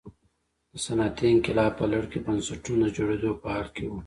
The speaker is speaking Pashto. د صنعتي انقلاب په لړ کې بنسټونه د جوړېدو په حال کې وو.